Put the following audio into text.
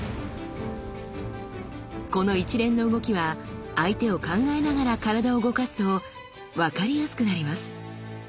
この一連の動きは相手を考えながら体を動かすと分かりやすくなります。